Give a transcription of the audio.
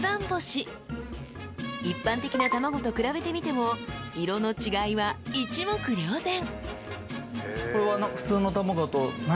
［一般的な卵と比べてみても色の違いは一目瞭然］